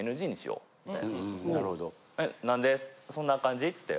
「なんでそんな感じ？」つって。